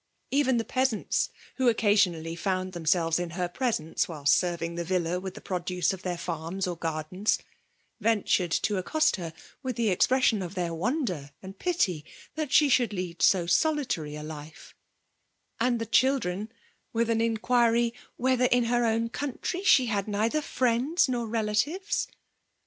Even fhe peasanU^ "frkm oecasioBally found themselves in her pre* lence while serving the villa with the produce cf their farms or gardens^ ventured to accoet iier with the expression of their wonder and fibf that she should lead so soHtary a hfe; and the children, with an inquiry, whether in her own country she had neither friends nor relatives